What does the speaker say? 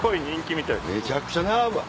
めちゃくちゃ並ぶわ。